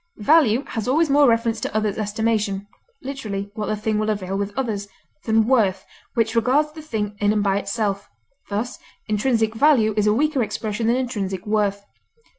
Value has always more reference to others' estimation (literally, what the thing will avail with others) than worth, which regards the thing in and by itself; thus, intrinsic value is a weaker expression than intrinsic worth.